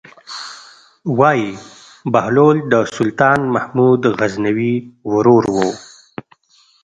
وايي بهلول د سلطان محمود غزنوي ورور و.